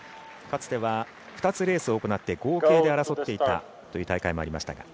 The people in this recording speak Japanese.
かつては、２つレースを行って合計で争っていたという大会もありました。